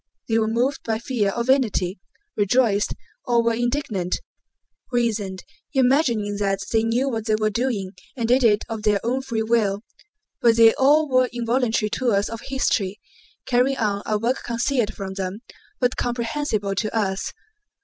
They were moved by fear or vanity, rejoiced or were indignant, reasoned, imagining that they knew what they were doing and did it of their own free will, but they all were involuntary tools of history, carrying on a work concealed from them but comprehensible to us.